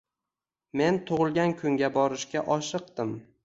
Men tug’ilgan kunga borishga oshiqdim.